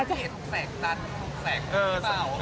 เออสาว